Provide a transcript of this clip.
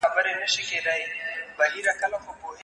جهاني په دې وطن کي نقابونه اورېدلي